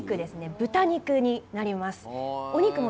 豚肉になります。